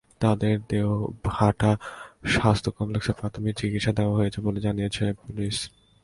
তাঁদের দেবহাটা স্বাস্থ্য কমপ্লেক্সে প্রাথমিক চিকিত্সা দেওয়া হয়েছে বলে জানিয়েছে পুলিশ।